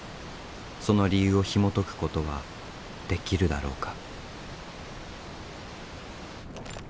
その理由をひもとくことはできるだろうか。